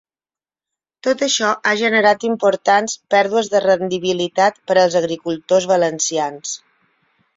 Tot això ha generat importants ‘pèrdues de rendibilitat per als agricultors valencians’.